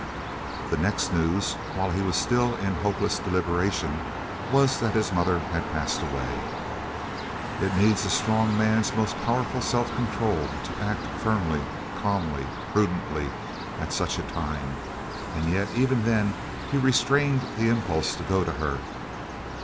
The next news, while he was still in hopeless deliberation, was that his mother had passed away. It needs a strong man's most powerful self control to "act firmly, calmly, prudently," at such a time, and yet even then he restrained the impulse to go to her.